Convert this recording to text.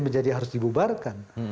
menjadi harus dibubarkan